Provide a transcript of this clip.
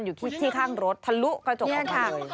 อยู่ที่ข้างรถทะลุกระจกข้าง